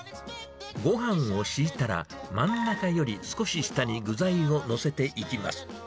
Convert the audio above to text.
ごはんを敷いたら、真ん中より少し下に具材を載せていきます。